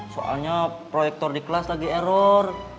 soalnya proyektor di kelas lagi error